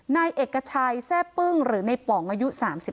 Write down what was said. นายเอกชัยแทร่ปึ้งหรือในป๋องอายุ๓๒